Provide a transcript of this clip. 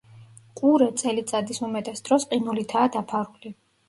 ყურე წელიწადის უმეტეს დროს ყინულითაა დაფარული.